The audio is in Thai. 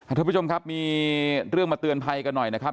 ทุกผู้ชมครับมีเรื่องมาเตือนภัยกันหน่อยนะครับ